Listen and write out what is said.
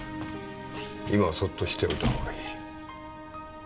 今はそっとしておいた方がいい。